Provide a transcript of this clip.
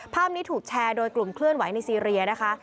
ภาพนี้ถูกแชร์โดยกลุ่มเคลื่อนไหวในซีเรียนะคะ